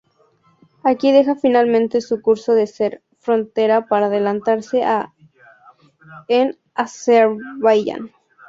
Aquí deja finalmente su curso de ser frontera para adentrarse en Azerbaiyán.